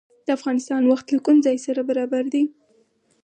د افغانستان وخت له کوم ځای سره برابر دی؟